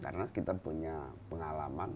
karena kita punya pengalaman